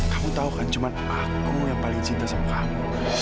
kamu tau kan cuma akumu yang paling cinta sama kamu